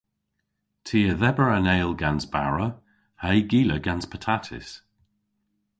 Ty a dheber an eyl gans bara ha'y gila gans patatys.